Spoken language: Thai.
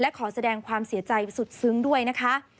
ขอแสดงความเสียใจสุดซึ้งด้วยนะคะ